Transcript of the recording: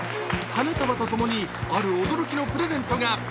花束とともにある驚きのプレゼントが。